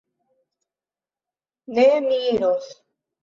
Ne; mi iros.